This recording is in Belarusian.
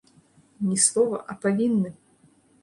Ні слова, а павінны!